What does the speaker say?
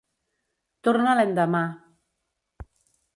Torna l'endemà.